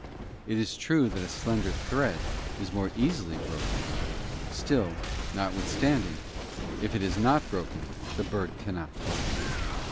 It is true that a slender thread is more easily broken, still, notwith standing, if it is not broken the bird cannot fly.